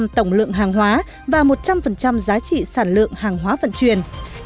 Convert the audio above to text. sáu mươi bốn tổng lượng hàng hóa và một trăm linh giá trị sản lượng hàng hóa vận chuyển